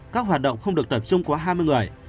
các hoạt động không được tập trung quá hai mươi người